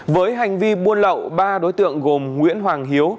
với hành vi buôn lậu ba đối tượng gồm nguyễn hoàng hiếu